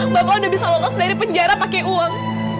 bapak anda bisa lolos dari penjara pakai uang